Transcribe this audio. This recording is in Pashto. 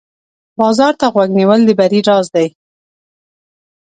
بازار ته غوږ نیول د بری راز دی.